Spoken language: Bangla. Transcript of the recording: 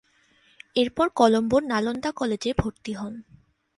এরপর কলম্বোর নালন্দা কলেজে ভর্তি হন।